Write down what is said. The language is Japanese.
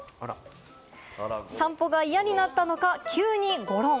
散歩が嫌になったのか、急にゴロン。